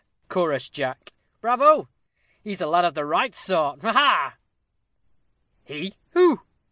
chorused Jack; "bravo! he's a lad of the right sort ha, ha!" "He! who?"